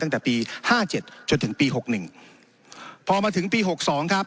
ตั้งแต่ปีห้าเจ็ดจนถึงปีหกหนึ่งพอมาถึงปีหกสองครับ